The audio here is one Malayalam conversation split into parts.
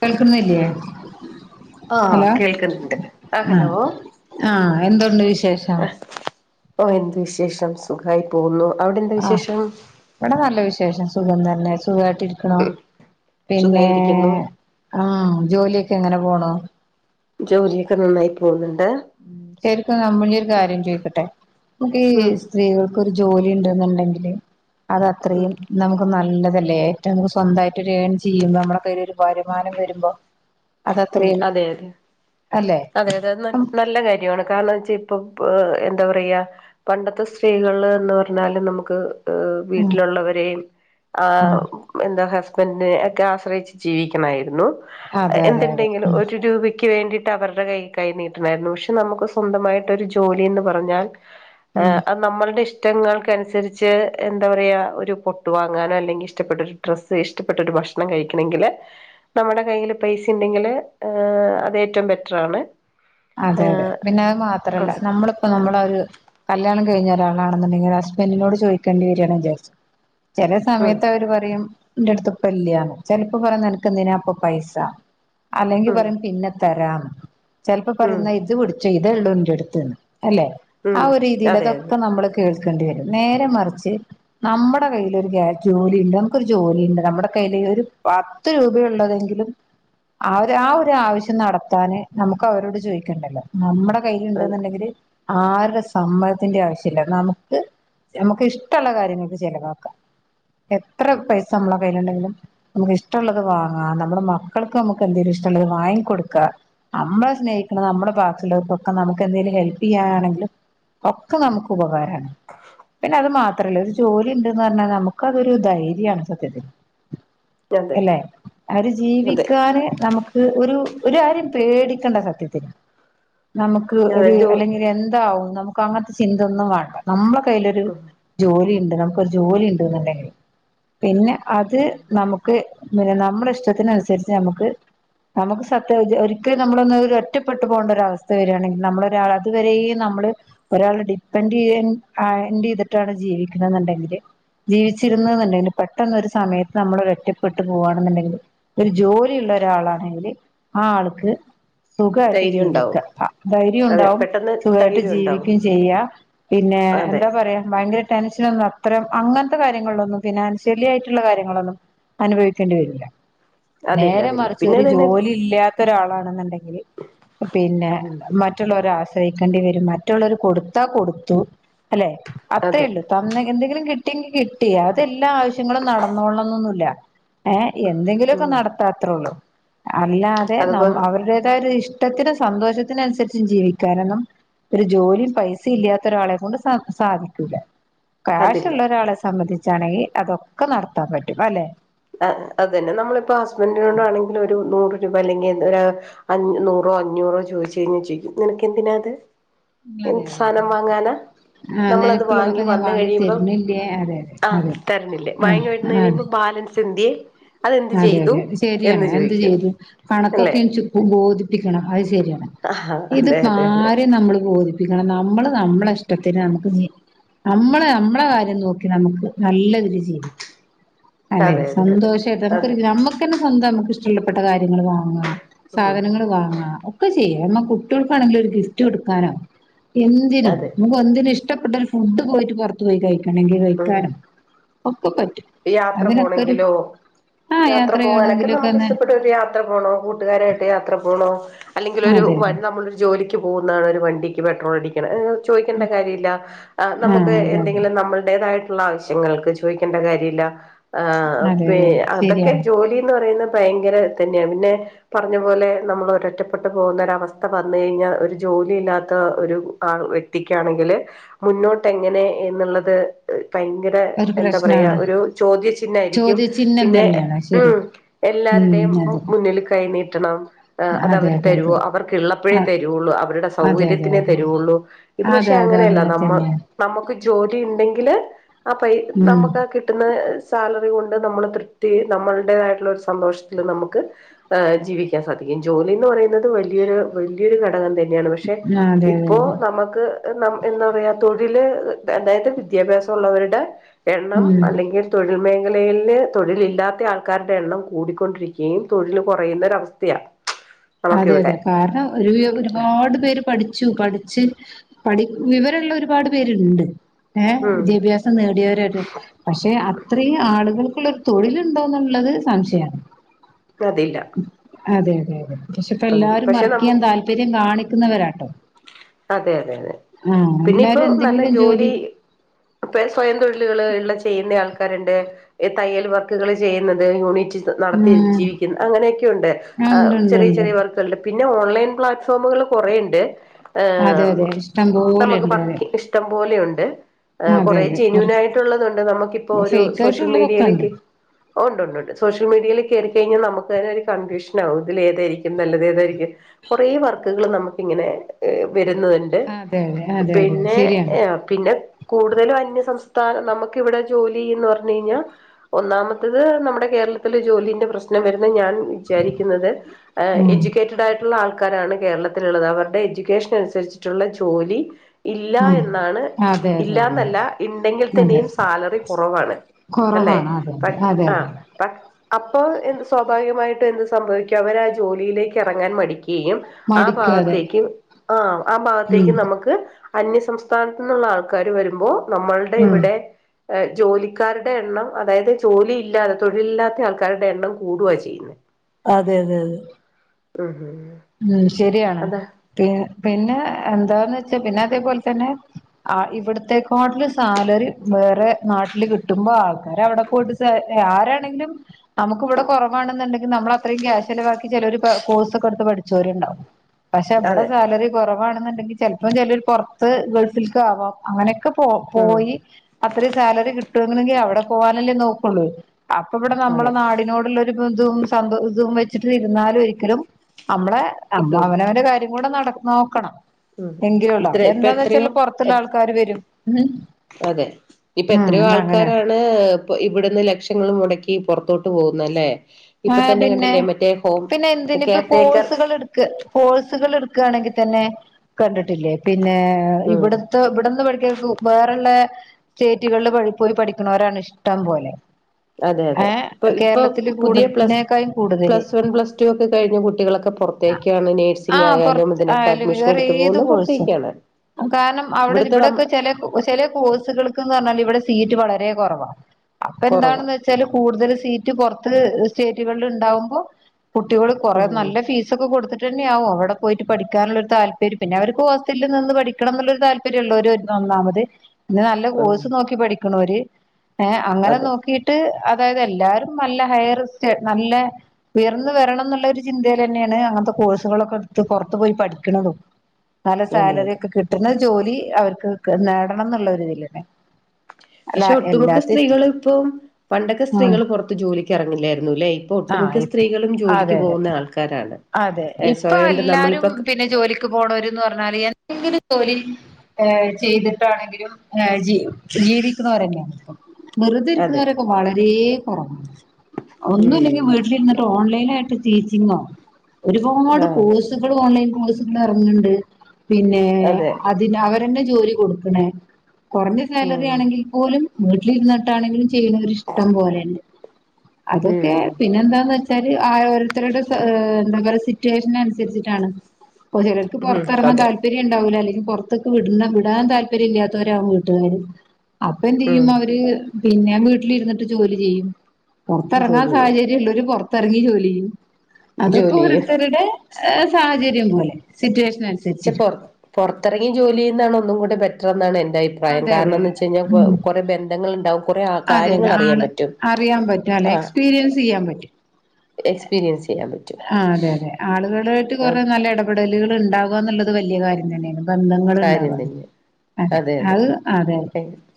കേക്കുന്നില്ലേ? ആഹ് കേൾക്കുന്നുണ്ട് ആ ഹലോ ആഹ് ആഹ് എന്തുണ്ട് വിശേഷം? ഓഹ് എന്ത് വിശേഷം സുഖായി പോവുന്നു. അവിടെന്ത ആഹ് വിശേഷം? ഇവിടെ നല്ല വിശേഷം സുഖം തന്നെ സുഖായിട്ടിരിക്ക്ണു. പിന്നെ സുഖായിരിക്കുന്നു ആഹ് ജോലിയൊക്കെങ്ങനെ പോണു? ജോലിയൊക്കെ നന്നായി പോവുന്നുണ്ട്. ശരിക്കും നമ്മള്യൊരു കാര്യം ചോയിക്കട്ടെ ൻക്കീ ഉം സ് സ്ത്രീകൾക്കൊരു ജോലി ഇണ്ടെന്നുണ്ടെങ്കില് ഉം അതത്ത്രീം നമുക്ക് നല്ലതല്ലേ ഏറ്റം നമുക്ക് സ്വന്തായിട്ട് ഒരു ഏൺ ചെയ്യുമ്പോ നമ്മുടെ കയ്യിലൊരു വരുമാനം വരുമ്പോ. ഉം അതത്രയും അതെ അല്ലേ അതെ അതേതൊ ഉം നല്ല കാര്യാണ് കാരണച്ചെ ഇപ്പൊ പ് എന്താ പറയാ പണ്ടത്തെ സ്ത്രീകള്ന്ന് പറഞ്ഞാല് നമുക്ക് അ ഉം വീട്ടിലുള്ളവരേയും ആഹ് ഉം എന്താ ഹസ്ബൻ്റിനെ ഒക്കെ ആശ്രയിച്ച് ജീവിക്കണായിരുന്നു. അതെ അതെ അതെ എന്തുണ്ടെങ്കിലു ഉം ഒരു രൂപ ക്ക് വേണ്ടിട്ട് അവരുടെ കൈ കൈ നീട്ടണായിരുന്നു പക്ഷെ നമുക്ക് സ്വന്തമായിട്ടൊരു ജോലിന്ന് പറഞ്ഞാ ഉം ആഹ് അത് നമ്മൾടെഷ് ടങ്ങൾക്കനുസരിച്ച് എന്താ പറയ ഒരു പൊട്ട് വാങ്ങാനോ അല്ലെങ്കിൽ ഇഷ്ടപ്പെട്ടൊരു ഡ്രസ് ഇഷ്ടപ്പെട്ട ഒരു ഭക്ഷണം കഴിക്കണെങ്കിൽ നമ്മുടെ കയ്യിൽ പൈസണ്ടെങ്കിൽ അത് ഏറ്റം ബെറ്ററാണ്. അതെ അതെ. ആഹ് പിന്നെ അഅ് മാത്രല്ല നമ്മള് പ്പൊ നമ്മളൊരു കല്യാണം കഴിഞ്ഞ ഒരാളാണുന്നുണ്ടെങ്കിൽ ഒരു ഹസ്ബൻ്റിനോട് ചോയിക്കേണ്ടി വരാണ് വിചാരിച്ച് ചെല ഉം സമയത്ത് അവര് പറയും ഇന്റെടുത്ത്പ്പ്ല്ല്യാന്ന്, ചെലപ്പോ പറയു നെനക്കെന്തിനാപ്പോ പൈസ, അല്ലെങ്കി ഉം പറയും പിന്നെ തരാന്ന് ചെലപ്പോ ഉം പറയും ന്നാ ഇത് പിടിച്ചോ ഇതൊള്ളൂ ഇൻ്റടുത്ത്ന്ന്. അല്ലെ? ആ ഉം ഒരു രീതിൽ അതെ അതെ അതൊക്കെ നമ്മള് കേൾക്കേണ്ടി വരും നേരെ മറിച്ച് നമ്മുടെ കൈയ്യിലൊരു കേ ജോലിണ്ട് നമുക്കൊരു ജോലിയുണ്ട് നമ്മുടെ കയ്യിൽ ഒരു പ ത്ത് രൂപ ഉള്ളതെങ്കിലും ആഒര് ആഒരു ആവശ്യം നടത്താന് നമുക്ക് അവരോട് ചോയിക്കണ്ടല്ലോ നമ്മുടെ അതെ കയ്യിലുണ്ടെന്നുണ്ടെങ്കില്. ആരുടെ സമ്മതത്തിന്റെ ആവശ്യല്ല നമുക്ക് നമുക്ക് ഇഷ്ടള്ള കാര്യങ്ങൾക്ക് ചെലവാക്കാം. എത്ര പൈസ നമ്മളെ കയ്യിലുണ്ടെങ്കിലും നമുക്ക് ഇഷ്ടള്ളത് വാങ്ങാ. നമ്മുടെ മക്കൾക്ക് നമുക്ക് എന്തെലും ഇഷ്ടള്ളത് വാങ്ങി കൊടുക്കാ അമ്മളെ സ്നേഹി നമ്മളെ ബാക്കുള്ളർക്കൊക്ക നമുക്കെന്തങ്കിലു ഹെൽപ് ചെയ്യാ ആണെങ്കിലും ഒക്കെ നമുക്ക് ഉപകാ പിന്നത് മാ ത്രല്ല ഒരു ജോലിണ്ട്ന്ന് പറഞ്ഞ നമുക്ക് അതൊരു ധൈര്യാണ് സത്യത്തില്. അതെ ഇല്ലെ അവര് അതെ ജീവിക്കാന് നമുക്ക് ഒരു ഒരാര്യം പേടിക്കേണ്ട സത്യ ത്തിൽ നമുക്ക് അതെ ഒരു ജോ അല്ലെങ്കിൽ എന്താവും നമുക്ക് അങ്ങൻത്തെ ചിന്തൊന്നും വേണ്ട. നമ്മളെ കയ്യിലൊരു ജോലിണ്ട് നമുക്കൊരു ജോലിണ്ട് ന്ന്ണ്ടെങ്കിൽ പിന്നെ അത് നമുക്ക് ക്ക് പിന്നെ നമ്മള ഇഷ്ടത്തിനനുസരിച്ച് നമുക്ക് നമുക്ക് സത്യ ഒരിക്കലും നമ്മള് ഒറ്റപ്പെട്ടു പോകേണ്ട ഒര അവസ്ഥ വരികയാണെങ്കിൽ നമ്മളൊരാൾ അതുവരെയും നമ്മള് ഒരാളെ ഡിപ്പെൻഡ് ചെയ്യ് ആ ചെയ്തിട്ടാണ് ജീവിക്കുന്നത് എന്നുണ്ടെങ്കില് ജീവിച്ചിരുന്നെന്നുണ്ടെങ്കില് പെട്ടെന്ന് ഒരു സമയത്ത് നമ്മള് ഒറ്റപ്പെട്ട് പോകുകവാണെന്നുണ്ടെങ്കില് ഒരു ജോലിയുള്ള ഒരാളാണെങ്കില് ആ ആൾക്ക് സുഖായിട്ട് ധൈര്യം ഉണ്ടാവും ജീവിക്ക ധൈര്യം അതെ ഉണ്ടാവും പെട്ടെന്ന് സുഖായിട്ട് ധൈര്യം ഉണ്ടാവും ജീവിക്കയും ചെയ്യാ. പിന്നെ അതെ എന്താ പറയാ ഭയങ്കര ടെൻഷൻ ഒന്നും അത്രയും അങ്ങനത്തെ കാര്യങ്ങളിലൊന്നും ഫിനാൻഷ്യലി ആയിട്ടുള്ള കാര്യങ്ങളൊന്നും അനുഭവിക്കേണ്ടി വരില്ല അതില്ല നേരെ അതില്ല മറിച്ച് പിന്നെ ഒരു അതന്നെ ജോലി ഇല്ലാത്ത ഒരാളാണെന്നുണ്ടെങ്കില് പിന്നെ ഉം മ മറ്റുള്ളവരെ ആശ്രയിക്കേണ്ടി വരും മറ്റുള്ളവർ കൊടുത്താ കൊടുത്തു അല്ലെ അതെ അത്രയുള്ളൂ തന്ന എന്തെങ്കിലും കിട്ടിയെങ്കി കിട്ടി അതെല്ലാ ആവശ്യങ്ങളും നടന്നോള്ളന്നൊന്നുമില്ല. ഏ എന്തെങ്കിലുമൊക്കെ ഉം നടത്താത്രേള്ളൂ അല്ലാതെ ന അതുപോ അവരുടെ എന്ത ഒരു ഇഷ്ടത്തിനും സന്തോഷത്തിനും അനുസരിച്ച് ജീവിക്കാനന്നും ഒരു ജോലിയും പൈസ ഇല്ലാത്ത ഒരാളെ കൊണ്ട് സ സാധിക്കൂല ക്യാഷ് അതില്ല ഉള്ള ഒരാളെ സംബന്ധിച്ചാണെങ്കിൽ അതൊക്കെ നടത്താൻ പറ്റും അല്ലെ ആ അതന്നെ നമ്മളിപ്പോ ഹസ്ബൻഡിനോട് ആണെങ്കിലും ഒരു നൂറ് രൂപ അല്ലെങ്കിൽ അ നൂറോ അഞ്ഞൂറോ ചോദച്ച് കഴിഞ്ഞൽ ചോയിക്കും നിനക്ക് എന്തിനാ അത് അതെ എന്ത് അതെ സാധനം അതെ വാങ്ങാന ആഹ് നമ്മളത് നിനക്കുള്ളതൊക്കെ വാങ്ങി ഞാൻ വന്ന് കഴിയുമ്പ തരുന്നില്ലേ അതെ ആ അതെ അതെ തരണില്ലേ വാങ്ങി വന്ന് ആഹ് കഴിയുമ്പോ ബാലൻസ് ന്തിയെ അതെ അതെ ശരിയാണ് എന്ത് ചെയ്തു അല്ലെ കണക്കൊക്കെ എ ബോധിപ്പിക്കണം അത് ശരിയാണ്. ആഹ് അതെ ഇതിപ്പ അതെ അതെ ആരെയും നമ്മള് ബോധിപ്പിക്കണം നമ്മള് നമ്മള ഇഷ്ടത്തിന് നമുക്ക് ജീവിക്കാം നമ്മളെ നമ്മളെ കാര്യം നോക്കി നമുക്ക് നല്ലരീതി ജീവിക്കാം അല്ലെ അതെ അതെ അതെ സന്തോഷായിട്ട് അതെ നമുക്കന്നെ സ്വന്തം നമുക്ക് ഇഷ്ട്ടപ്പെട്ട കാര്യങ്ങൾ വാങ്ങാം ഉം സാധനങ്ങൾ വാങ്ങാം ക്കെ ചെയ്യ നമ്മ കുട്ടികൾക്കാണെങ്കിലും ഒരു ഗിഫ്റ്റ് കൊടുക്കാനോ എന്തിനും അതെ നമുക്ക് എന്തിനും ഇഷ്ട ഇഷ്ട പെട്ട ഒരു ഫുഡ് പോയിട്ട് പുറ പോയി കഴിക്കണമെങ്കിൽ ഉം കഴിക്കാനും ഒക്കെ പറ്റും യാത്ര അതിനൊക്കെരു പോണെങ്കിലോ ആ യാത്ര പോകാനൊക്കെ ചെയ്യണെങ്കിലൊക്കെ നമുക്ക് തന്നെ ഇഷ്ടപ്പെട്ട യാത്ര പോണോ കൂട്ടുകാരായിട്ട് യാത്ര പോണോ അല്ലെങ്കിൽ ഒരു അതെ അതെ നമ്മള് ജോലിക്ക് പോകുന്നതാണ് ഒരു വണ്ടിക്ക് പെട്രോൾ അടിക്കും ചോദിക്കേണ്ട കാര്യല്ല ആ നമുക്ക് അതെ അതെ അതെ എന്തെങ്കിലും നമ്മൾ നമ്മടേതായിട്ടുള്ള ആവശ്യങ്ങൾക്ക് ചോദിക്കേണ്ട കാര്യം ഇല്ല ആ അതെ അതെ അതൊക്കെ ശരിയാണ് ജോലിന്ന് പറയുന്ന ഭയങ്കര തന്നെയാണ് പിന്നെ പറഞ്ഞ പോലെ നമ്മള് ഒര ഒറ്റപ്പെട്ട് പോകുന്ന ഒരവസ്ഥ വന്ന് കഴിഞ്ഞാൽ ഒരു ജോലിയില്ലാത്ത ഒരു ആൾ വ്യക്തി ത്തിക്കാണെങ്കില് മുന്നോട്ട് എങ്ങനെ എന്നുള്ളത്- ഭയങ്കര ഒരു എന്താ പറയാ പ്രശ്നമാണ് ഒരു ചോദ്യ ചിഹ്നായിരിക്കും ചോദ്യചിഹ്നം പിന്നെ തന്നെയാണ് ശരി ഉം- എല്ലാരുടെയും ഉം അതെ മുന്നിൽ കൈനീട്ടണം അത് അതെ അവര് അതെ അതെ തരുമോ അവർക്ക് ഇള്ളപ്പോഴേ തരുള്ളൂ അവരുടെ സ- അതെ അതെ അതെ സൗകര്യത്തിനെ തരുള്ളൂ ഇത് അതെ പക്ഷെ അതെ അതെ അങ്ങനെയല്ല അങ്ങനെ നമ്മള് - തന്നെയാണ് നമുക്ക് ജോലി ഇണ്ടെങ്കില് ആ പൈ ഉം നമുക്ക് അത് കി- കിട്ടുന്ന സാലറി കൊണ്ട് നമ്മള് തൃപ്തി നമ്മളടേതായിട്ടുള്ള ഒരു സന്തോഷത്തില് നമുക്ക്- ആ ജീവിക്കാൻ സാധിക്കും ജോലിന്ന് പറയുന്നത് വലിയൊരു വലിയൊരു ഘടകം തന്നെ യാണ് പക്ഷെ ആഹ് അതെ അതെ ഇപ്പോ അതെ നമുക്ക് എന്താ പറയാ തൊഴില് അതായത്- വിദ്യാഭ്യാസം ഉള്ളവരുടെ എണ്ണം ഉം അല്ലെങ്കിൽ- തൊഴിൽ മേഖലയിൽ തൊഴിലില്ലാത്ത ആൾക്കാരുടെ എണ്ണം കൂടിക്കൊണ്ടിരിക്കുകയും തൊഴിൽ കൊറയുന്നൊരവസ്ഥയ [inaudible] അതെ അതെ കാരണം ഒരു ഒരുപാട് പേര് പഠിച്ചു പഠി- ച്ച് പഠി വിവരമുള്ള ഒരുപാട് പേരുണ്ട് ഏഹ് ഉം വിദ്യാഭ്യാസ- നേടിയവരായി- പക്ഷെ അത്രയും ആളുകൾക്കുള്ളൊരു തൊഴിലുണ്ടോന്നുള്ളത് സംശയമാണ്. അതില്ല അതെ അതെ അതെ പക്ഷെ ഇപ്പ അ എല്ലാരും പക്ഷെ വർക്ക് ചെയ്യാൻ നമുക്ക് താല്പര്യം കാണിക്കുന്നവരാട്ടോ. അതെ അതെ അതെ ആഹ് പിന്നെ ഇപ്പോ എല്ലാരും നല്ല എന്തെങ്കിലും ജോലി- ഇപ്പ സ്വയം തൊഴിലുകള് ഉള്ള ചെയ്യുന്ന ആൾക്കാരുണ്ട്. തയ്യൽ വർക്കുകൾ ചെയ്യുന്നത് യൂണിറ്റ്- നടത്തി ഉം ജീവിക്കുന്ന അങ്ങനെയൊക്കെ ഒണ്ട് ആഹ് ഉണ്ട് ഉണ്ട് ചെറിയ ഉണ്ട് ചെറിയ വർക്ക്- ഒണ്ട് പിന്നെ ഓൺലൈൻ പ്ലാറ്റ്ഫോമുകൾ കൊറെയൊണ്ട്. അതെ ആഹ അതെ ഇഷ്ടം ഇപ്പൊ പോലെ നമുക്ക് ഉണ്ട് അതെ വർക്ക് ഇഷ്ടം പോലെയുണ്ട് ആ അതെ കൊറെ അതെ ജെനുവിൻ ആയിട്ടുള്ളത് ഇണ്ട് നമുക്കിപ്പോ ഒരു ഫേക്ക് സോഷ്യൽ ആയിട്ടുള്ളതൊക്കെ ഉണ്ട് മീഡിയയിലേക്ക്- ഓഹ് ഒണ്ട് ഒണ്ട് സോഷ്യൽ മീഡിയയിൽ കേറികഴിഞ്ഞാൽ നമുക്ക് തന്നെ ഒരു കൺഫ്യൂഷനാകും ഇതിൽ ഏതായിരിക്കും നല്ലത് ഏതായിരിക്കും- കുറെ വർക്കുകൾ നമുക്കിങ്ങനെ വരുന്നതുണ്ട് അതെ അതെ അതെ അതെ പിന്നെ- ശരിയാണ് പിന്നെ കൂടുതലും അന്യസംസ്ഥാനം നമുക്ക് ഇവിടെ ജോലി ചെയ്യുന്നെന്ന് പറഞ്ഞു കഴിഞ്ഞാൽ- ഒന്നാമത്തത് നമ്മുടെ കേരളത്തിൽ ജോലിന്റെ പ്രശ്നം വരുന്ന് ഞാൻ- വിചാരിക്കുന്നത് ഉം എഡ്യൂക്കേറ്റഡ് ആയിട്ടുള്ള ആൾക്കാരാണ് കേരളത്തിലുള്ളത് അവരുടെ- എഡ്യൂക്കേഷൻ അനുസരിച്ചിട്ടുള്ള ജോലി- ഇല്ല ഉം എന്നാണ് അതെ അതെ അതെ ഇല്ലാന്നല്ല ഇണ്ടെങ്കിൽ അതെ തന്നെയും സാലറി കുറവാണ് അല്ലെ കുറവാണ് അതെ അതെ ബട്ട്‌ അതെ അതെ ആഹ അപ്പൊ എന്ത്‌ സ്വാഭാവികമായിട്ടും എന്ത് സംഭവിക്കും അവരാ ആ ജോലിയിലേക്ക് ഇറങ്ങാൻ മടിക്കുകയും- ആ മടിക്കും അതെ ഭാഗത്തേക്ക് ആഹ ആ ഉം ഭാഗത്തേക്ക് നമുക്ക്- അന്യ സംസ്ഥാനത്ത് നിന്നുള്ള ആൾക്കാര് വരുമ്പോ നമ്മളുടെ ഉം ഇവിടെ- ജോലിക്കാരുടെ എണ്ണം അതായത് ജോലിയില്ലാതെ തൊഴിലില്ലാത്ത ആൾക്കാരുടെ എണ്ണം കൂടുവാ ചെയ്യുന്നത്. [inaudible] ആഹ് അതെ അതെ അതെ ഉം ഉം ഉം ശരിയാണ് അതെ പി പിന്നെ എന്താന്ന് വെച്ചാ പിന്നെ അതേപോലെ തന്നെ- ആ ഇവിടുത്തേക്കാട്ടില് സാലറി വേറെ നാട്ടില് കിട്ടുമ്പോ ആൾക്കാര് അവിടെ പോയിട്ട- ആരാണെങ്കിലും- നമുക്ക് ഇവിടെ കൊറവാണുണ്ടെങ്കിൽ നമ്മള് അത്രയും ക്യാഷ് ചെലവാക്കി ചെലരു കോഴ്സൊക്കെ എടുത്ത് പഠിച്ചു- ച്ചോര് യുണ്ടാവും പക്ഷെ ഇവടെ അതെ സാലറി- കൊറവാണെന്നുണ്ടെങ്കിൽ ചെലപ്പോ ചെലര് പൊറത്ത് ഗൾഫിൽക്ക് ആവാം അങ്ങനെയൊക്കെ പോ ഉം പോയി- അത്രയും സാലറി കിട്ടുംങ്ങനെങ്കിൽ അവിടെ പോവാനല്ലേ നോക്കുള്ളൂ അപ്പ ഇവിടെ നമ്മളെ അതെ നാടിനോടുള്ള ഒരു- [unintelligible] തും വെച്ചിട്ട് ഇരുന്നാലു ഒരിക്കലും നമ്മളെ നമ്മ കിട്ടൂല അവനവന്റെ കാര്യം കൂടെ നോക്കണം. ഉം എങ്കിലും ഉള്ള ഇത്ര അവ ഇപ്പ എന്താന്ന് എത്രയോ വെച്ചാ പുറത്തുള്ള എ ആൾക്കാാര് വരും. അതെ, ഇപ്പ ഉം എത്രയോ അങ്ങനെ ആൾക്കാരാണ് ഇവിടുന്ന് ലക്ഷങ്ങളും മുടക്കി പുറത്തോട്ട് പോകുന്നല്ലേ? ആ ഇപ്പൊ തന്നെ പിന്നെ കണ്ടില്ലേ മറ്റേ ഹോം പിന്നെ എന്തിന്പ്പ കെയർ ടേക്കർ കോഴ്സുകൾ എടു കോഴ്സുകൾ എടുക്കയാണെങ്കിൽ തന്നെ കണ്ടിട്ടില്ലേ പിന്നെ ഉം ഇവിടത്തെ ഇവിടുന്ന് പഠിക്കക്കും. വേറള്ള സ്റ്റേറ്റുകളിൽ ഴി പോയി പഠിക്കണവരാണ് ഇഷ്ടം പോലെ. അതെ അതെ ഇപ്പൊ ഏഹ് ഇപ്പൊ കേരളത്തിൽ പുതിയ പ്ലസ് കൂടുന്നേക്കായും കൂടുതല് പ്ലസ് വൺ പ്ലസ് ടു ഒക്കെ കഴിഞ്ഞഞ് കുട്ടികളൊക്കെ പുറത്തേക്കാണ് നേഴ്സിംഗ ആഹ് ആയാലും പുറത്ത് അതിനൊക്കെ ആയാലും അഡ്മിഷൻ വേറെ എടുത്തു ഏത് പോകുന്ന കോഴ്സും പുറത്തേക്കാണ്. കാരണം അവിടെ ഇവിടുത്തെ നമ്മ ഇവിടൊക്കെ ചെല ചില കോഴ്സുകൾക്ക്ന്ന് പറഞ്ഞാൽ ഇവിടെ സീറ്റ് വളരെ കുറവാ. അപ്പൊ കുറവാ എന്താണെന്ന് വെച്ച ച്ചാൽ കൂടുതൽ സീറ്റ് പറത്ത് സ്റ്റേറ്റുകളിൽ ഉണ്ടാവുമ്പോ, കുട്ടികൾ കൊറേ ഉം നല്ല ഫീസൊക്കെ കൊടുത്തി ട്ടന്നെയവും അവിടെ പോയിട്ട് പഠിക്കാനുള്ള ഒരു താല്പര്യം. പിന്നെ അവക്ക് ഹോസ്റ്റലിൽ നിന്ന് പഠിക്കണം എന്നുള്ളരു തല് ര്ള്ളോര് ഒന്നാമത്. പിന്നെ നല്ല ആ കോഴ്സ് നോക്കി പഠിക്കണോര്, ഏഹ് അങ്ങനെ അതെ നോക്കി ട്ട് അതായത് എല്ലാരും നല്ല ഹയർ സ്റ്റ നല്ലേ ഉയർന്ന് വരണം എന്നുള്ളൊരു ചിന്തയിൽ തന്നെയാണ് അങ്ങനത്തെ കോഴ്സുകളൊക്കെടുത്ത് പുറത്ത് പോയി പഠിക്കണതും. നല്ല അതെ സാലറി അതെ ഒക്കെ കിട്ട്ണ ജോലി അവർക്ക് നേടണം ന്നുള്ള ഒരിതിലന്നെ. പക്ഷെ ഒട്ടുമിക്ക സ്ത്രീകളും ഇപ്പം പണ്ടൊക്കെ ഉം സ്ത്രീകൾ പുറത്ത് ജോലിക്ക് ഇറങ്ങില്ലായിരുന്നു ല്ലെ? പ്പൊ ഒട്ടുമിക്ക ആഹ് സ്ത്രീകളും അതെ ജോലിക്ക് പോകുന്ന ആൾക്കാരാണ് അതെ ഏഹ് ഇപ്പൊ സ്വയണ്ട് എല്ലാരും നമ്മളിപ്പോ ക പിന്നെ ജോലിക്ക് പോണോര്ന്ന് പർഞ്ഞാല് എന്തെങ്കിലും [unintelligible] ഏഹ് ചെയ്തിട്ടാണെങ്കിലും ഏഹ് ജി ജീവിക്കുണോരന്നെ പ്പൊ വെറുതെ അതെ ഇരിക്കുണോരൊക്കെ വളരെ കുറവാ ഉം ഒന്നുല്യ വീട്ടിലിരുന്നിട്ട് സത്യം ഓൺലൈനായിട്ട് ടീച്ചിങൊ ഒരുപാട് ആഹ് കോഴ്സ് സുകൾ ഓൺലൈൻ കോഴ്സ്ന് റങ്ങ്ണ്ട് പിന്നെ അതെ അ തിന് അവരന്നെ ജോലി കൊടുക്കണേ കുറഞ്ഞ സാലറി ഉം ആണെങ്കിൽ പോലും വീട്ടിലിരുന്നിട്ടാണെങ്കിലും ജോലി ചെയ്യന്നോര് ഇഷ്ടം പോലേണ് ഉം അതൊക്കെ പിന്നെ എന്താന്ന് വെച്ച ൽ ആയോരുത്തരുടെ ഏഹ് എന്താ പറയാ സിറ്റുവേഷനനുസരിച്ചിട്ടാണ്. പ്പൊ ചെലോർക്ക് ഉം പുറത്തിറങ്ങാൻ അതെ താല് പര്യംണ്ടാവൂല്ല അല്ലെങ്കിൽ പുറത്തൊക്ക് വിടുന്ന വിടാൻ താല്പര്യം ഇല്ലാത്തവരാവും വീട്ടുകാര്. അപ്പൊ എന്ത് ഉം ചെയ്യും അവര് പിന്നെ വീട്ടിലിരുന്നിട്ട് ജോലി ചെയ്യും. പുറത്തിറങ്ങാൻ ജോലി ചെയ്യും സാഹചര്യ ള്ളോര് പുറത്തിറങ്ങി ജോലി ചെയ്യും. അതൊക്കെ ജോലി ചെയ്യും ഓരോരുത്തരുടെ സാഹചര്യം പോലെ, സിറ്റുവേഷൻ അനുസ ക്ഷെ പൊർ പൊർത്തിറങ്ങി ജോലി ചെയ്യുന്നതാണ് ഒന്നും കൂടെ ബെറ്റർ എന്നാണ് എന്റെ അയിപ്രാ യം. അതെ കാരണം അതെ എന്ന് അതെ വെച്ച് കഴിഞ്ഞാ പ്പൊ ഉം കൊറെ ബന്ധങ്ങൾ ഉണ്ടാവും. കുറെ അതെ അതെ കാര്യങ്ങൾ അറിയാൻ ആള് പറ്റും അറിയാൻ പറ്റും, അല്ലെ? എക്സ്പീരിയൻസ് ചെയ്യാൻ പറ്റും. എസ്. എസ്പീരിയൻസ്സിയ്യാം. ആഹ് അതെ അതെ, ആളുകളുയിട്ട് ആ കൊറെ നല്ല ഇടപെടലുകൾ ഉണ്ടാവാ ന്നുള്ളത് വലിയ കാര്യം തന്നെണ്. ബന്ധങ്ങൾ കാര്യം ണ്ടാവാ. തന്നെ അതെ [unintelligible] അതെ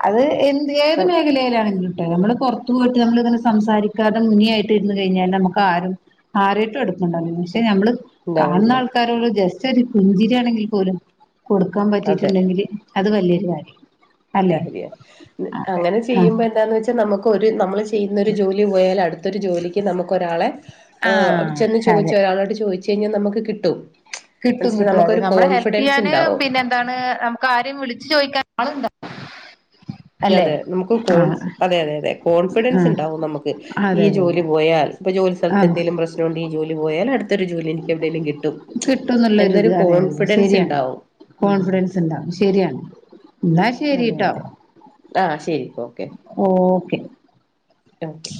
അത് എന്ത് ഏത് മേഖലയിലാണെങ്കിലും നമ്മള് പുറത്ത് പോയിട്ട് നമ്മളിങ്ങനെ സംസാരിക്കാതെ മുനിയായിട്ട് ഇരുന്നു കഴിഞ്ഞാൽ നമുക്ക് ആരും ആരേട്ടും അടുക്കണ്ട പക്ഷെ നമ്മള് കാണുന്ന ഉണ്ടാവില്ല ആൾക്കാരോട് [unintelligible] പുഞ്ചിരി ആണെങ്കിൽ പോലും കൊടുക്കാൻ അതെ പറ്റീട്ടുണ്ടെങ്കില് അത് വലിയൊരു കാര്യാ കാര്യ അങ്ങനെ ചെയ്യുമ്പോ എന്താന്ന് വെച്ച പക്ഷെ നമുക്ക് ഒരു നമ്മൾ ചെയ്യുന്നൊരു ജോലി പോയാൽ അടുത്തൊരു ജോലിക്ക് നമുക്കൊരാളെ ആഹ് ചെന്ന് ചൊയിച്ച് ഒരാളോട് ചൊയിച്ചു കഴിഞ്ഞാൽ നമുക്ക് കിട്ടും കിട്ടും മനസ്സില കിട്ടും അതെ നമുക്കൊരു നമ്മളെ ഹെൽപ് കോൺഫിഡൻസ് ചെയ്യാന് ഉണ്ടാവും പിന്നെ എന്താണ് നമുക്ക് ആരേം വിളിച്ചു ചോയിക്കാൻ ആളുണ്ട അതെ നമുക്ക് കോൺ അതെ അതെ അതെ കോൺഫിഡൻസ് ആഹ് ഉണ്ടാവും നമുക്ക് ഈ അതെ അതെ അതെ ജോലി പോയാൽ ഇപ്പൊ ജോലി സ്ഥലത്ത് ആഹ് എന്തേലും പ്രശ്നണ്ടെൽ ജോലി പോയാൽ അടുത്തരു ജോലി എനിക്ക് എവിടേലും കിട്ടും കിട്ടുന്നുള്ളരു ഇത് എന്നൊരു അതെഅതെ കോൺഫിഡൻസ് ശരിയാണ് ഉണ്ടാവും ഉം കോൺഫിഡൻസ് ഉണ്ടാവും ശരിയാണ് എന്നാ അതെ ശരിട്ടോ അതെ ആഹ് ശരി ഓക്കെ ഓക്കെ [unintelligible]